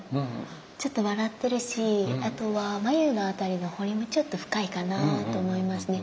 ちょっと笑ってるしあとは眉の辺りのホリもちょっと深いかなと思いますね。